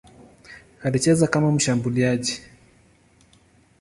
Alicheza kama mshambuliaji.